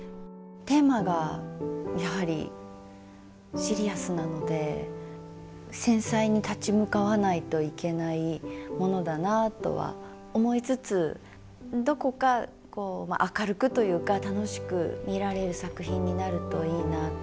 テーマがやはりシリアスなので繊細に立ち向かわないといけないものだなとは思いつつどこかこう明るくというか楽しく見られる作品になるといいなと。